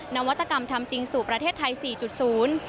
นวัตกรรมทำจริงสู่ประเทศไทย๔๐